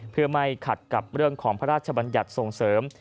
เพื่อไม่ขัดกับเรื่องของพระราชบัญญัติส่งเสริม